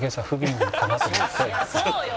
「そうよ。